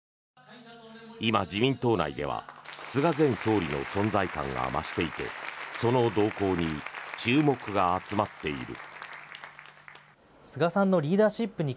今、自民党内では菅前総理の存在感が増していてその動向に注目が集まっている。